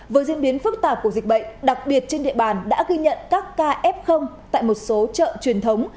với diễn biến phức tạp của dịch bệnh đặc biệt trên địa bàn đã ghi nhận các ca f tại một số chợ truyền thống